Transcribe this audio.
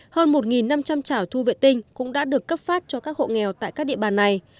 hơn một năm trăm linh chảo thu vệ tinh cũng đã được cấp phát cho các hộ nghèo tại các địa bàn này